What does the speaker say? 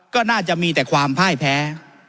ก็น่าจะมีแต่ความพ่ายแพ้